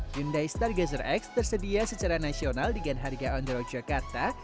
hyundai stargazer x tersedia secara nasional dengan harga on the road jakarta